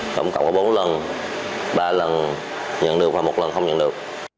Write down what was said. tổng cộng có bốn lần ba lần nhận được và một lần không nhận được